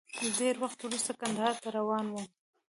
ډېر وخت وروسته کندهار ته روان وم.